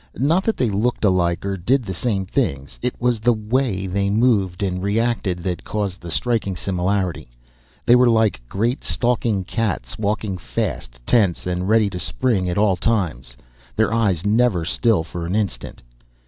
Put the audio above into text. Not that they looked alike or did the same things. It was the way they moved and reacted that caused the striking similarity. They were like great, stalking cats. Walking fast, tense and ready to spring at all times, their eyes never still for an instant.